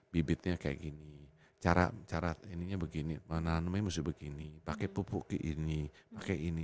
bibitnya kayak gini cara ininya begini menanamnya mesti begini pakai pupuk ini pakai ini